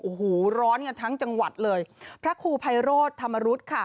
โอ้โหร้อนกันทั้งจังหวัดเลยพระครูไพโรธธรรมรุธค่ะ